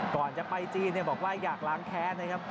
ก่อนจะไปจีนบอกว่าอยากล้างแค้นนะครับ